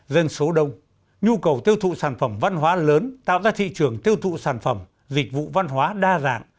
dân số đông nhu cầu tiêu thụ sản phẩm văn hóa lớn tạo ra thị trường tiêu thụ sản phẩm dịch vụ văn hóa đa dạng